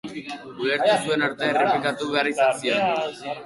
Ulertu zuen arte errepikatu behar izan nion.